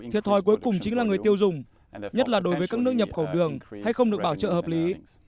thiệt thòi cuối cùng chính là người tiêu dùng nhất là đối với các nước nhập khẩu đường hay không được bảo trợ hợp lý